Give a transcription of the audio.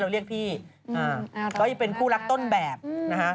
อ้าวขอบคุณก่อนนะคะก็เป็นคู่รักต้นแบบนะฮะ